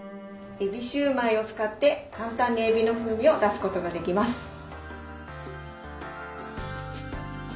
えびシューマイを使って簡単にえびの風味を出すことができます。